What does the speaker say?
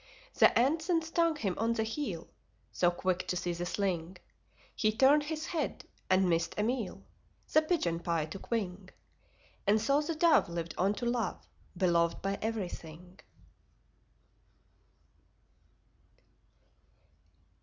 The Ant then stung him on the heel (So quick to see the sling). He turned his head, and missed a meal: The pigeon pie took wing. And so the Dove lived on to love Beloved by everything.